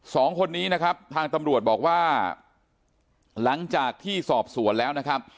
สองคนนี้นะครับทางตำรวจบอกว่าหลังจากที่สอบสวนแล้วนะครับ